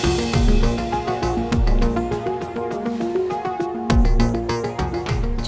pak sumarno ini